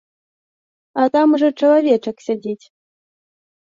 А там ужо чалавечак сядзіць.